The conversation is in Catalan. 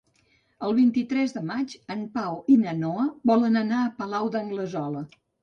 El vint-i-tres de maig en Pau i na Noa volen anar al Palau d'Anglesola.